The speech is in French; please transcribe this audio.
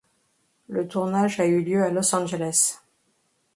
Le tournage a eu lieu à Los Angeles.